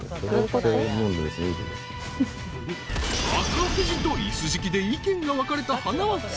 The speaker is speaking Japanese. ［赤富士と椅子敷きで意見が分かれたはなわ夫妻］